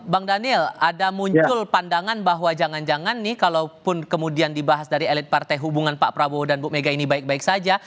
bang daniel ada muncul pandangan bahwa jangan jangan nih kalaupun kemudian dibahas dari elit partai hubungan pak prabowo dan bu mega ini baik baik saja